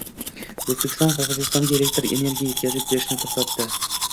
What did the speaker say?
O‘zbekiston Qirg‘izistonga elektr energiya yetkazib berishni to‘xtatdi